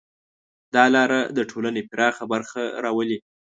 دا لاره د ټولنې پراخه برخه راولي.